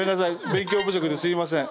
勉強不足ですいません。